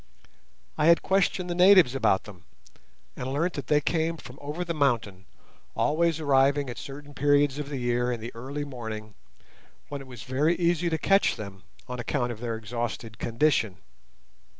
I had questioned the natives about them, and learnt that they came from over the mountain, always arriving at certain periods of the year in the early morning, when it was very easy to catch them, on account of their exhausted condition.